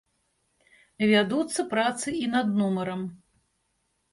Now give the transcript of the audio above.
Вядуцца працы і над нумарам.